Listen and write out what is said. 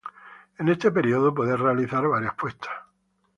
En este periodo puede realizar varias puestas.